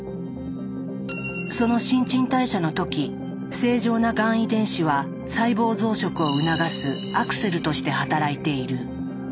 その新陳代謝の時正常ながん遺伝子は細胞増殖を促すアクセルとして働いている。